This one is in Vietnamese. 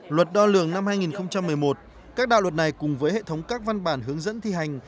luật đo lường năm hai nghìn một mươi một các đạo luật này cùng với hệ thống các văn bản hướng dẫn thi hành